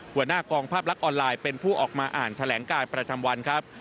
หัวหน้ากองภาพลักษณ์ออนไลน์เป็นผู้ออกมาอ่านแถลงการประจำวันครับ